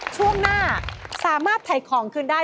ช่วงหน้าสามารถถ่ายของคืนได้